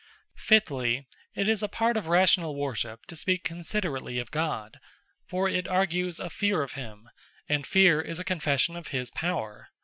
Fifthly, it is a part of Rationall Worship, to speak Considerately of God; for it argues a Fear of him, and Fear, is a confession of his Power.